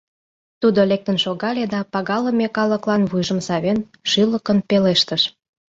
Тудо лектын шогале да пагалыме калыклан вуйжым савен, шӱлыкын пелештыш: